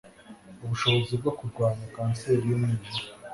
ubushobozi bwo kurwanya kanseri y'umwijima